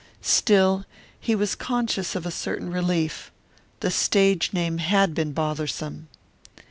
Still, he was conscious of a certain relief. The stage name had been bothersome.